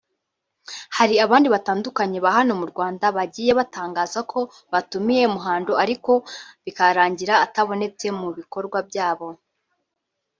Hari abandi batandukanye ba hano mu Rwanda bagiye batangaza ko batumiye Muhando ariko bikarangira atabonetse mu bikorwa byabo